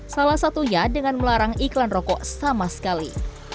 salah satunya dengan melarang iklan rokok sama sekali